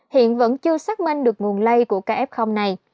hiện vẫn chưa xác minh được nguồn lây của ca f này